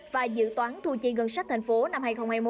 và dự toán thu chi ngân sách thành phố năm hai nghìn hai mươi một